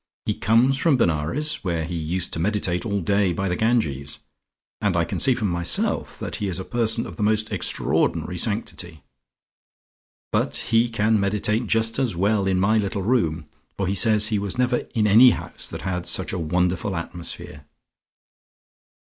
He comes from Benares where he used to meditate all day by the Ganges, and I can see for myself that he is a person of the most extraordinary sanctity. But he can meditate just as well in my little room, for he says he was never in any house that had such a wonderful atmosphere.